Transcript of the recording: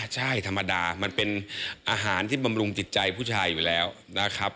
ใช่ธรรมดามันเป็นอาหารที่บำรุงจิตใจผู้ชายอยู่แล้วนะครับ